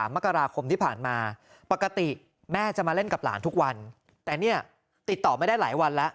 มกราคมที่ผ่านมาปกติแม่จะมาเล่นกับหลานทุกวันแต่เนี่ยติดต่อไม่ได้หลายวันแล้ว